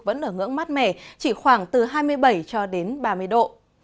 vẫn ở ngưỡng mát mẻ chỉ khoảng từ hai mươi bảy cho đến ba mươi độ